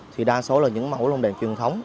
thì đa số là những mẫu lông đèn truyền thống